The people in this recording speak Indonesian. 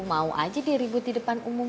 mau aja diribut di depan umum